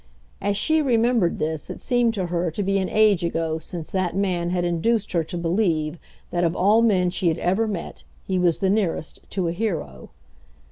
As she remembered this it seemed to her to be an age ago since that man had induced her to believe that of all men she had ever met he was the nearest to a hero.